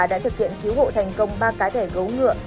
đã thực hiện cứu hộ thành công ba cá thể gấu ngựa